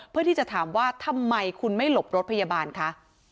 เพื่อที่จะถามว่าทำไมคุณไม่หลบรถพยาบาลคะ